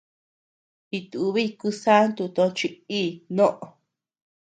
Jitubiy kusanto tochi íʼ tnoʼö.